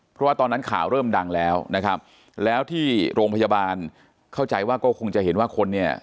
เพราะว่าตอนนั้นข่าวเริ่มดังแล้วนะครับแล้วที่โรงพยาบาลเข้าใจว่าก็คงจะเห็นว่าคนเนี่ย